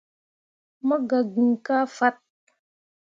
Mo gah gn kah fat.